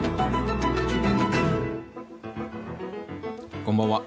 こんばんは。